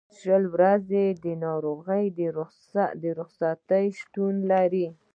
شل ورځې د ناروغۍ رخصتۍ شتون لري.